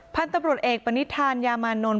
พันธุ์ตำรวจเอกปณิธานยามานนท์